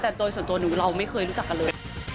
แต่โดยส่วนตัวหนูเราไม่เคยรู้จักกันเลย